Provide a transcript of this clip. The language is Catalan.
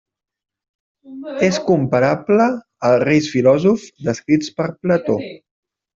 És comparable als reis filòsofs descrits per Plató.